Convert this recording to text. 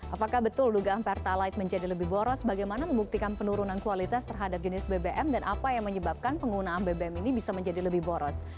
apakah betul dugaan pertalite menjadi lebih boros bagaimana membuktikan penurunan kualitas terhadap jenis bbm dan apa yang menyebabkan penggunaan bbm ini bisa menjadi lebih boros